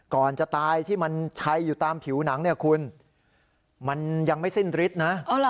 ก่อนจะตายที่มันชัยอยู่ตามผิวหนังเนี่ยคุณมันยังไม่สิ้นฤทธิ์นะ